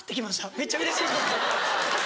めっちゃうれしいです。